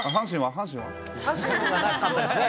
阪神はなかったですね。